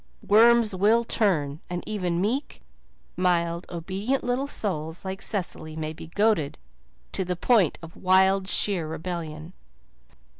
Worms will turn, and even meek, mild, obedient little souls like Cecily may be goaded to the point of wild, sheer rebellion.